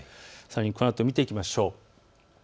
このあと見ていきましょう。